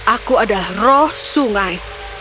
aku adalah roh sungai